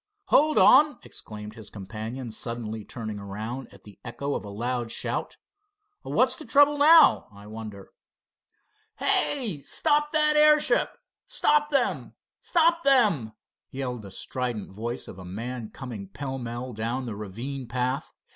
"Hold on!" exclaimed his companion, suddenly turning around at the echo of a loud shout. "What's the trouble now, I wonder?" "Hey, stop the airship! Stop them! Stop them!" yelled the strident voice of a man coming pell mell down the ravine path.